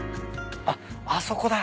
あっあそこだ。